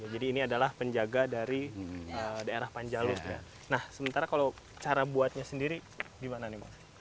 jadi ini adalah penjaga dari daerah panjalu nah sementara kalau cara buatnya sendiri gimana nih pak